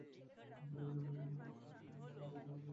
আসলে, জানো কোন কাজটা কখনোই গ্রহ বাঁচানোয় কাজে লাগেনি?